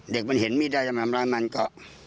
เด็กมันเห็นมีดได้จะมาทำร้ายมันก็